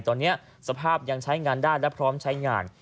ตอนนี้สภาพยังใช้งานได้และพร้อมใช้งาน